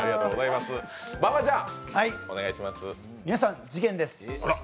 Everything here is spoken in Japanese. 皆さん、事件です。